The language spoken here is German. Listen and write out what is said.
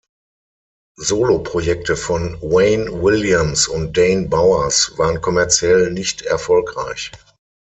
Soloprojekte von Wayne Williams und Dane Bowers waren kommerziell nicht erfolgreich.